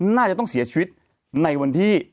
น่าจะต้องเสียชีวิตในวันที่